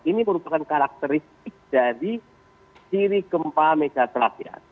ini merupakan karakteristik dari siri gempa megatrack ya